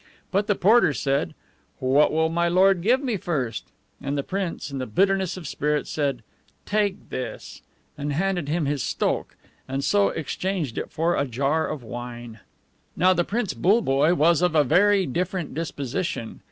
But the porter said, "What will my lord give me first?" And the prince, in very bitterness of spirit, said, "Take this," and handed him his STOKH, and so exchanged it for a jar of wine. Now the Prince BULLEBOYE was of a very different disposition.